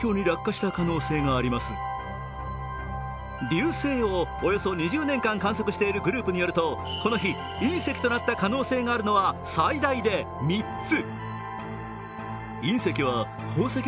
流星をおよそ２０年間観測しているグループによるとこの日、隕石となった可能性があるのは最大で３つ。